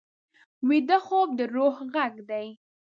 ویده خوب د روح غږ دی